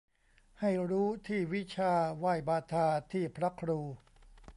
ให้รู้ที่วิชา ไหว้บาทาที่พระครู